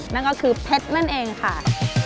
นั่นก็คือเพชรนั่นเองค่ะ